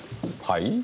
はい？